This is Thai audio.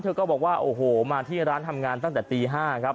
ก็บอกว่าโอ้โหมาที่ร้านทำงานตั้งแต่ตี๕ครับ